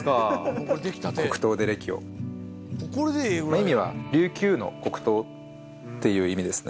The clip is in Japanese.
意味は「琉球の黒糖」っていう意味ですね。